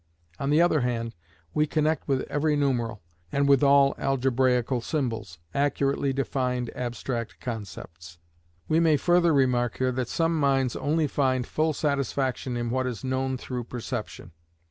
On the other hand, we connect with every numeral, and with all algebraical symbols, accurately defined abstract concepts. We may further remark here that some minds only find full satisfaction in what is known through perception.